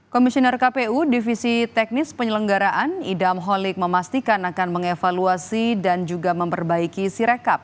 komisioner kpu divisi teknis penyelenggaraan idam holik memastikan akan mengevaluasi dan juga memperbaiki sirekap